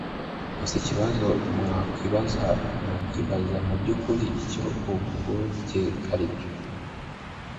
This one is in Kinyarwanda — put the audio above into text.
Gusa ikibazo wakwibaza ni ukwibaza mu byukuri icyo uburuhukiro ari cyo